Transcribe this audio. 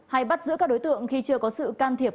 hay bắt giữ các đối tượng khi chưa có sự can thiệp